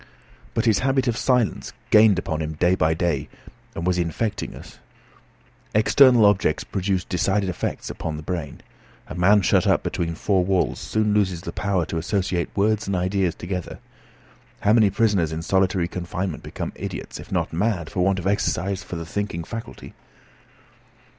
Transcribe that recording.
But his habit of silence gained upon him day by day, and was infecting us. External objects produce decided effects upon the brain. A man shut up between four walls soon loses the power to associate words and ideas together. How many prisoners in solitary confinement become idiots, if not mad, for want of exercise for the thinking faculty!